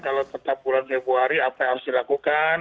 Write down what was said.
kalau tetap bulan februari apa yang harus dilakukan